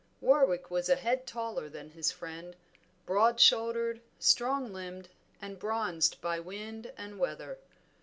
Warwick was a head taller than his tall friend, broad shouldered, strong limbed, and bronzed by wind and weather.